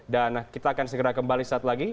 dan kita akan segera kembali saat lagi